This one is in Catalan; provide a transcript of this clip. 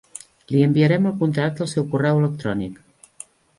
Li enviarem el contracte al seu correu electrònic.